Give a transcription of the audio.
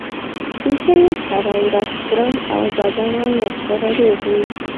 چې زه یې هره ورځ خورم او بدنم ورسره روغ وي.